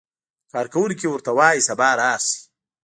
کارکوونکی ورته وایي سبا راشئ.